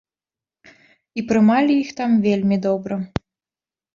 І прымалі іх там вельмі добра!